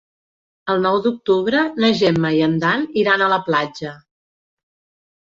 El nou d'octubre na Gemma i en Dan iran a la platja.